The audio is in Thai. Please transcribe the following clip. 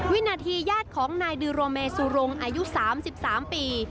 วินาทีญาติของนายดิโรเมซูรงอายุ๓๓ปี